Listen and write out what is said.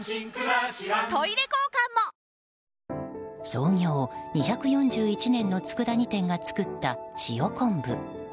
創業２４１年のつくだ煮店が作った塩昆布。